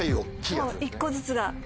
そう１個ずつが。